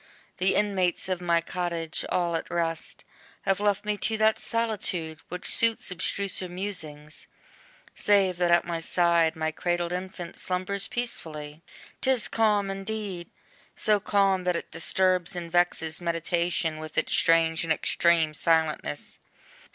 The inmates of my cottage, all at rest, Have left me to that solitude, which suits Abstruser musings: save that at my side My cradled infant slumbers peacefully. 'Tis calm indeed! so calm, that it disturbs And vexes meditation with its strange And extreme silentness.